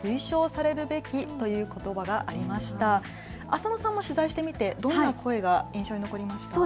浅野さんも取材してみてどんな声が印象に残りましたか。